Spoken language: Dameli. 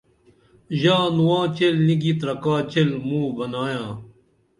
ژا نواں چیل نی گی ترکا چیل موں بنائیاں